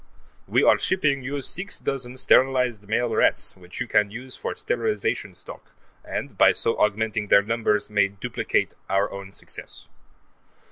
We are shipping you six dozen sterilized male rats, which you can use for sterilization stock, and, by so augmenting their numbers, may duplicate our own successes.